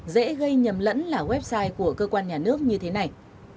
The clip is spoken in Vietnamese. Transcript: dễ gây nhầm lẫn là website của cơ quan nhà nước như thế này